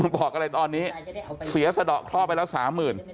บอกอะไรตอนนี้เสียสะดอกเค้าไปละ๓๐๐๐๐